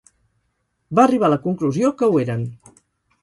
Va arribar a la conclusió que ho eren.